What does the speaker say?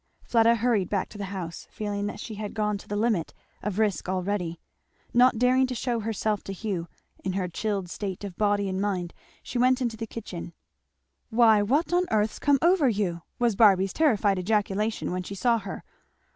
Fleda hurried back to the house, feeling that she had gone to the limit of risk already. Not daring to show herself to Hugh in her chilled state of body and mind she went into the kitchen. "Why what on earth's come over you?" was Barby's terrified ejaculation when she saw her.